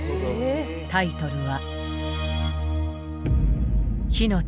タイトルは。